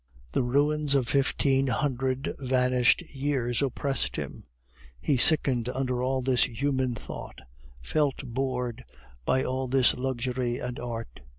The ruins of fifteen hundred vanished years oppressed him; he sickened under all this human thought; felt bored by all this luxury and art.